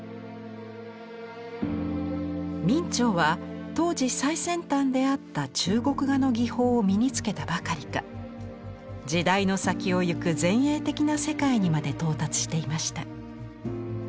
明兆は当時最先端であった中国画の技法を身につけたばかりか時代の先を行く前衛的な世界にまで到達していました。